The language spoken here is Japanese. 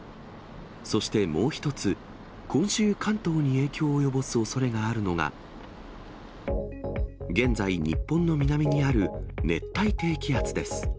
そしてもう一つ、今週、関東に影響を及ぼすおそれがあるのが、現在、日本の南にある熱帯低気圧です。